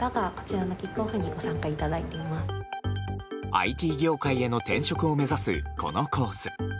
ＩＴ業界への転職を目指すこのコース。